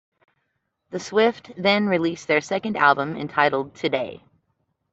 The Swift then released their second album entitled "Today".